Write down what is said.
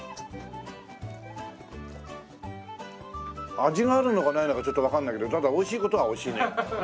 味があるのかないのかちょっとわかんないけど美味しい事は美味しいね。